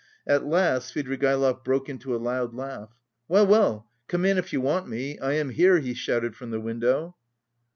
At last Svidrigaïlov broke into a loud laugh. "Well, well, come in if you want me; I am here!" he shouted from the window.